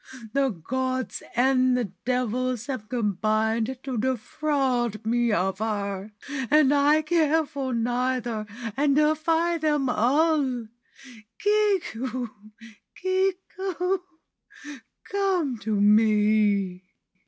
The gods and the devils have combined to defraud me of her, and I care for neither and defy them all. Kiku, Kiku, come to me